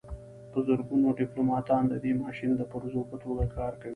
په زرګونو ډیپلوماتان د دې ماشین د پرزو په توګه کار کوي